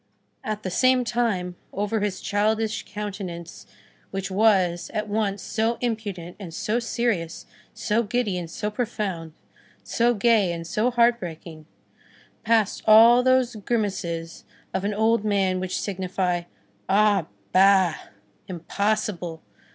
At the same time, over his childish countenance which was, at once so impudent and so serious, so giddy and so profound, so gay and so heart breaking, passed all those grimaces of an old man which signify: Ah bah! impossible!